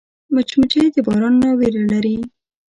مچمچۍ د باران نه ویره لري